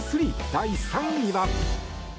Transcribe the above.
第３位は。